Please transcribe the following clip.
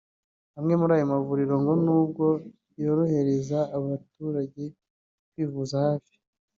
Amwe muri ayo mavuriro ngo n’ubwo yorohereje abaturage kwivuza hafi